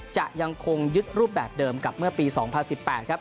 จะยังคงยึดรูปแบบเดิมกับเมื่อปี๒๐๑๘ครับ